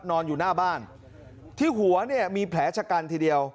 นอนอยู่หน้าบ้านที่หัวเนี่ยมีแผลชะกันทีเดียว